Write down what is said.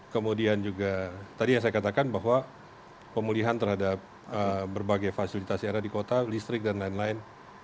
kemudian juga tadi yang saya katakan bahwa pemulihan terhadap berbagai fasilitas yang ada di kota listrik dan lain lain